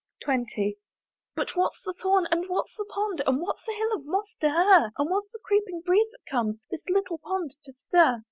XX. "But what's the thorn? and what's the pond? "And what's the hill of moss to her? "And what's the creeping breeze that comes "The little pond to stir?"